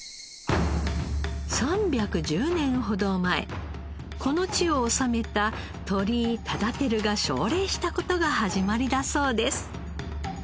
３１０年ほど前この地を治めた鳥居忠英が奨励した事が始まりだそうです。